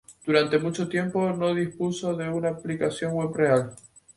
Durante mucho tiempo, no dispuso de una publicación "web" real.